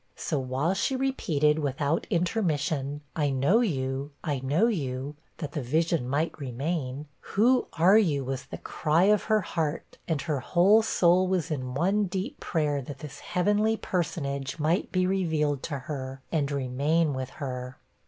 So while she repeated, without intermission, 'I know you, I know you,' that the vision might remain 'Who are you?' was the cry of her heart, and her whole soul was in one deep prayer that this heavenly personage might be revealed to her, and remain with her.